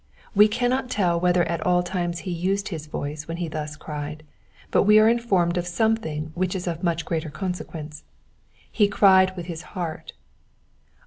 We cannot tell whether at all times he used his voice when he thus cried ; but we are informed of something which is of much greater consequence, he cried with his heart.